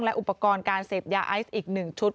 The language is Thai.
และอุปกรณ์การเสพยาไอซ์อีก๑ชุด